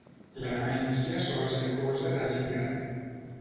La demència sol ser cosa de gent gran.